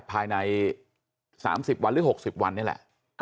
ภายใน๓๐วันหรือ๖๐วันนี่แหละ